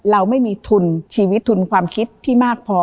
เราไม่มีทุนชีวิตทุนความคิดที่มากพอ